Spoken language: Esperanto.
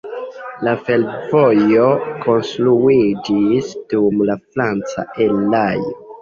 La fervojo konstruiĝis dum la franca erao.